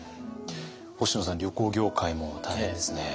星野さん旅行業界も大変ですね。